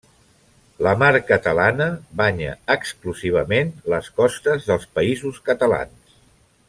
La Mar Catalana banya exclusivament les costes dels Països Catalans.